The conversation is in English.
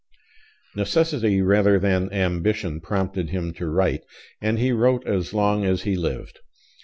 Necessity rather than ambition prompted him to write, and he wrote as long as he lived.